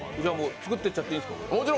作ってっちゃっていいですか。